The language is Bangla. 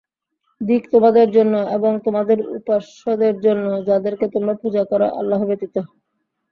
ধিক তোমাদের জন্যে এবং তোমাদের উপাস্যদের জন্যে যাদেরকে তোমরা পূজা কর আল্লাহ ব্যতীত।